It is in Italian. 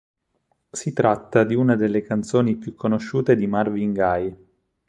Si tratta di una delle canzoni più conosciute di Marvin Gaye.